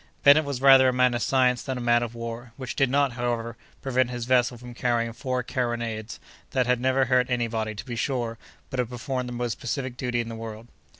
Bennet was rather a man of science than a man of war, which did not, however, prevent his vessel from carrying four carronades, that had never hurt any body, to be sure, but had performed the most pacific duty in the world.